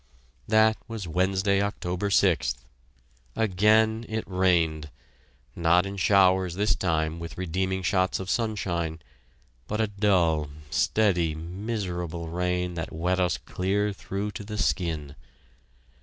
That was Wednesday, October 6th. Again it rained; not in showers this time with redeeming shots of sunshine, but a dull, steady, miserable rain that wet us clear through to the skin.